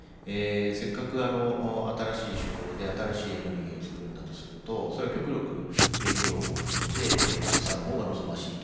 せっかく新しい手法で新しいエネルギーを作るんだとするとそれは極力原料も含めて国産の方が望ましいと。